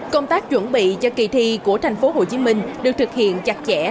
công tác chuẩn bị cho kỳ thi của tp hcm được thực hiện chặt chẽ